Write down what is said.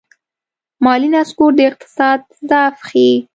مالي نسکور د اقتصاد ضعف ښيي.